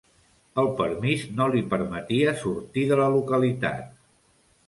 El permís no li permetia sortir de la localitat.